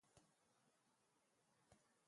To the north east of the bypass is Lowdham Mill.